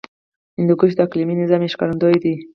هندوکش د اقلیمي نظام یو ښکارندوی دی.